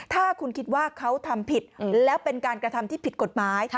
ถ้าคุณคิดว่าเขาทำผิดแล้วเป็นการกระทำที่ผิดกฎหมาย